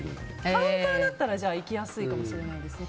カウンターだったら行きやすいかもしれないですね。